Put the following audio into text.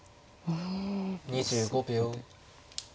２５秒。